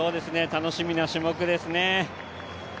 楽しみな種目ですね。